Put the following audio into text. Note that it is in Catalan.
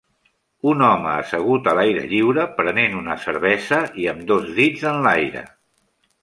Un home assegut a l'aire lliure prenent una cervesa i amb dos dits enlaire.